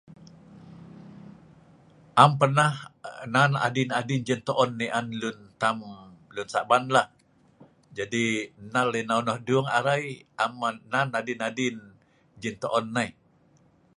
Am tam le adin Jin to on nai lem hmou lun sa’ban